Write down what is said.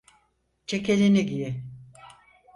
Ceketini giy.